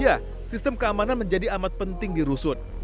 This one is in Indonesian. ya sistem keamanan menjadi amat penting di rusun